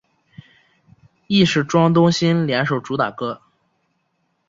亦是庄冬昕联手主打歌。